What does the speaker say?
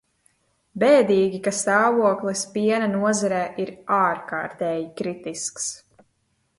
Bēdīgi, ka stāvoklis piena nozarē ir ārkārtēji kritisks.